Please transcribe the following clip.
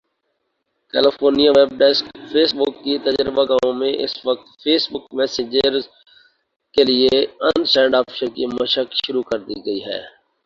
California web desk Facebook کی تجربہ گاہوں میں اس وقت فیس بک میسنجر کے لیے ان سینڈ آپشن کی مشق شروع کردی گئی ہے